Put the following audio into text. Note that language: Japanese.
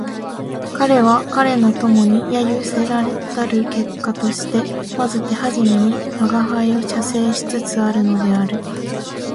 彼は彼の友に揶揄せられたる結果としてまず手初めに吾輩を写生しつつあるのである